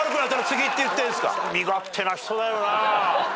身勝手な人だよなぁ。